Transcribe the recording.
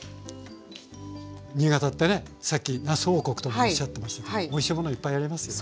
新潟ってねさっきなす王国ともおっしゃってましたけどおいしいものいっぱいありますよね。